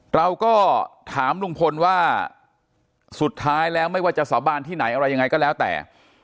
เราก็ถามลุงพลว่าสุดท้ายแล้วไม่ว่าจะสาบานที่ไหนอะไรยังไงก็แล้วแต่